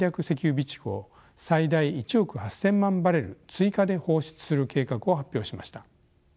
石油備蓄を最大１億８，０００万バレル追加で放出する計画を発表しました。